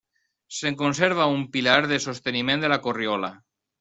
Se'n conserva un pilar de sosteniment de la corriola.